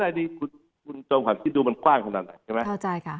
๓๐๐ไร่นี้คุณจองผลร้านคิดดูมันกว้างขนาดไหนเข้าใจค่ะ